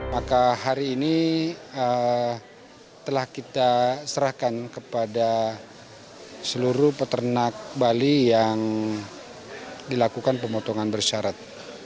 maka hari ini telah kita serahkan kepada seluruh peternak bali yang dilakukan pemotongan bersyarat